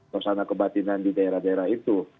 suasana kebatinan di daerah daerah itu